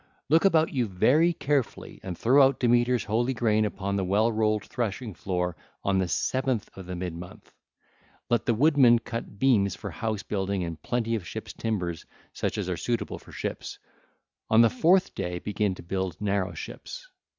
{[0 9]} (ll. 805 809) Look about you very carefully and throw out Demeter's holy grain upon the well rolled 1343 threshing floor on the seventh of the mid month. Let the woodman cut beams for house building and plenty of ships' timbers, such as are suitable for ships. On the fourth day begin to build narrow ships. (ll.